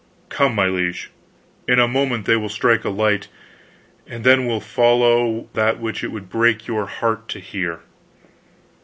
"Come, my liege! in a moment they will strike a light, and then will follow that which it would break your heart to hear."